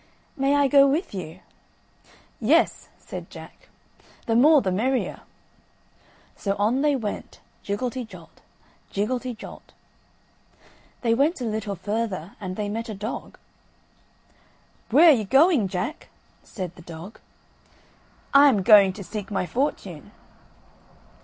"May I go with you?" "Yes," said Jack, "the more the merrier." So on they went, jiggelty jolt, jiggelty jolt. They went a little further and they met a dog. "Where are you going, Jack?" said the dog. "I am going to seek my fortune."